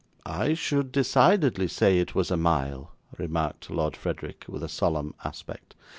'I should decidedly say it was a mile,' remarked Lord Frederick, with a solemn aspect.